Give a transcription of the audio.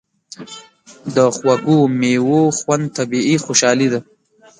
د خوږو میوو خوند طبیعي خوشالي ده.